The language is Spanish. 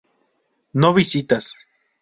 No visitas